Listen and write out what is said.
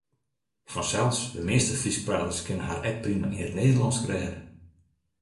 Fansels, de measte Fryskpraters kinne har ek prima yn it Nederlânsk rêde.